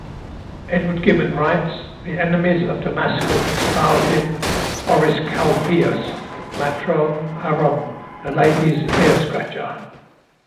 Edward Gibbon writes, "The enemies of Damasus styled him "Auriscalpius Matronarum," the ladies' ear-scratcher.